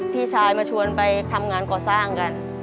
พี่ชายมาชวนไปทำงานก่อสร้างกัน